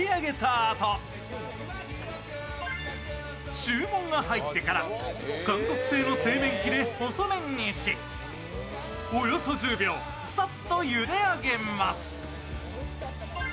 あと注文が入ってから韓国製の製麺機で細麺にしおよそ１０秒間、さっとゆであげます。